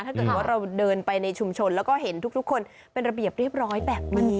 ถ้าเกิดว่าเราเดินไปในชุมชนแล้วก็เห็นทุกคนเป็นระเบียบเรียบร้อยแบบนี้